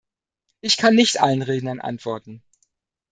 Ich kann nicht allen Rednern antworten.